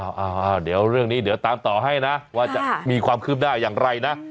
เดี๋ยวเรื่องนี้เดี๋ยวตามต่อให้นะว่าจะมีความคืบหน้าอย่างไรนะ